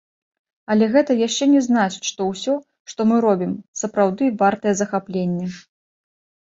Але гэта яшчэ не значыць, што ўсё, што мы робім, сапраўды вартае захаплення.